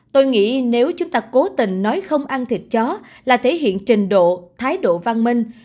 tôi nghĩ nếu chúng ta cố tình nói không ăn thịt chó là thể hiện trình độ thái độ văn minh